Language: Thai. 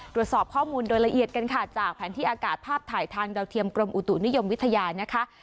ตรวจสอบข้อมูลโดยละเอียดกันค่ะจากแผนที่อากาศภาพถ่ายทางดาวเทียมกรมอุตุนิยมวิทยานะคะ